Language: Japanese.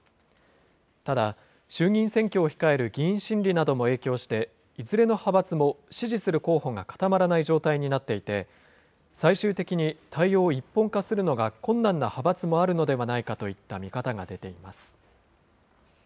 ただ、衆議院選挙を控える議員心理なども影響して、いずれの派閥も支持する候補が固まらない状態になっていて、最終的に対応を一本化するのが困難な派閥もあるのではないかといった見方が出ています。